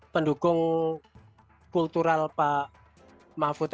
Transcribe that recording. pendukung kultural pak mahfud